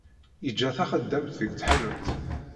Yeǧǧa taxeddamt deg tḥanutt.